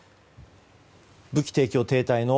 武器提供停滞の